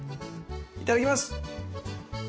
いただきます。